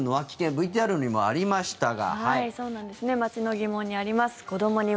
ＶＴＲにもありましたが。